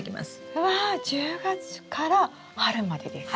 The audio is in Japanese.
うわ１０月から春までですか？